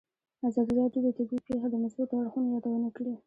ازادي راډیو د طبیعي پېښې د مثبتو اړخونو یادونه کړې.